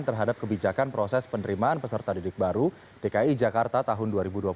terhadap kebijakan proses penerimaan peserta didik baru dki jakarta tahun dua ribu dua puluh satu